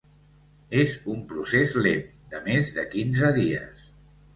És un procés lent, de més de quinze dies.